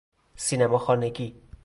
سینما خانگی